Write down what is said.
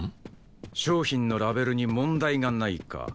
商品のラベルに問題がないか。